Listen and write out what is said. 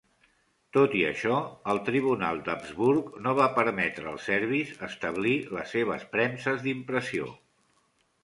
Tot i això, el tribunal d"Habsburg no va permetre als serbis establir les seves premses d"impressió.